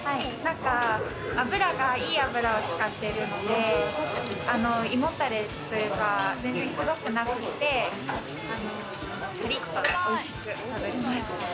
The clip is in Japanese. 油が、いい油を使ってるので、胃もたれというか、全然くどくなくて、カリッと美味しく食べれます。